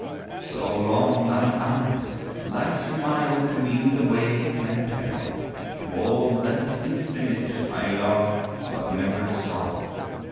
So long thine eyes, thy smile, to me the way can tell Towards that Infinite I love, but never saw.